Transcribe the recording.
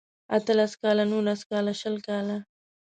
اته لس کاله نولس کاله شل کاله